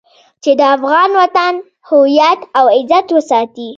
چې د افغان وطن هويت او عزت وساتي.